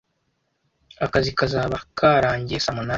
Akazi kazaba karangiye saa munani.